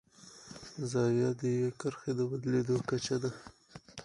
زاویه د یوې کرښې د بدلیدو کچه ده.